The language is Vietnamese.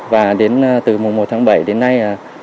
và từ mùa một tháng bảy đến nay